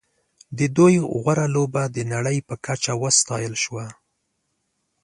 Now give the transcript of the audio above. د دوی غوره لوبه د نړۍ په کچه وستایل شوه.